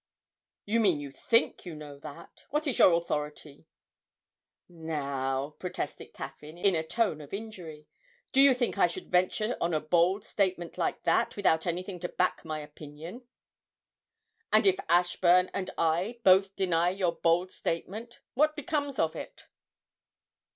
'You mean you think you know that what is your authority?' 'Now,' protested Caffyn, in a tone of injury, 'do you think I should venture on a bold statement like that without anything to back my opinion?' 'And if Ashburn and I both deny your bold statement what becomes of it?'